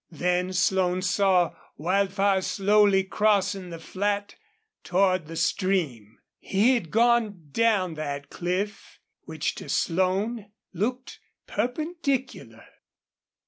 Then Slone saw Wildfire slowly crossing the flat toward the stream. He had gone down that cliff, which to Slone looked perpendicular.